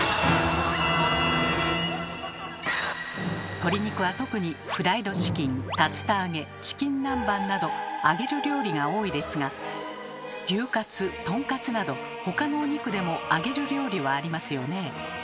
鶏肉は特にフライドチキン竜田揚げチキン南蛮など揚げる料理が多いですが牛カツとんかつなど他のお肉でも揚げる料理はありますよね。